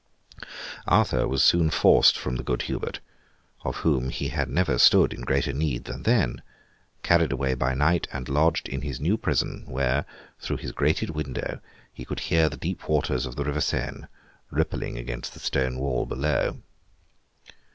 Arthur was soon forced from the good Hubert—of whom he had never stood in greater need than then—carried away by night, and lodged in his new prison: where, through his grated window, he could hear the deep waters of the river Seine, rippling against the stone wall below.